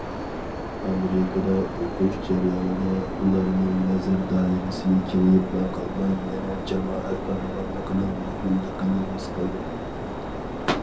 ئامېرىكىدا ئوقۇش جەريانىدا ئۇلارنىڭ نەزەر دائىرىسى كېڭىيىپلا قالماي، يەنە جامائەت پاراۋانلىقىنىڭ مۇھىملىقىنى ھېس قىلدى.